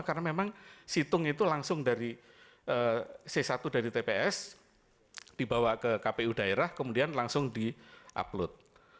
karena memang situng itu langsung dari c satu dari tps dibawa ke kpu daerah kemudian langsung di upload